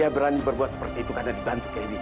berani sekali orang tua itu